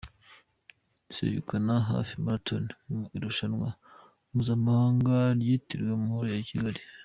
S yegukana Half Marathon mu irushanwa mpuzamahanga ryitiriwe Amahoro rya Kigali.